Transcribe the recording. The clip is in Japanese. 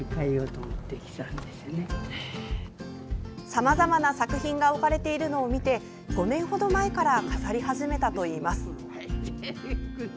さまざまな作品が置かれているのを見て５年程前から飾り始めたといいます。